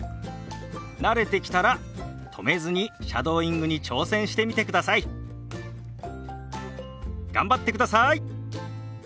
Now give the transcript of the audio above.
慣れてきたら止めずにシャドーイングに挑戦してみてください。頑張ってください！